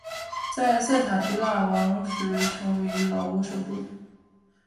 在塞塔提腊王时成为老挝首都。